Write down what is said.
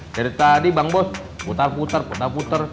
dari tadi bang bos putar putar putar putar